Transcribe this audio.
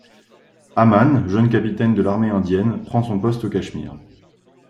Aman, jeune capitaine de l'armée indienne, prend son poste au Cachemire.